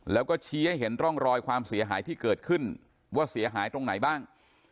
แล้วก็ชี้ให้เห็นร่องรอยความเสียหายที่เกิดขึ้นว่าเสียหายตรงไหนบ้าง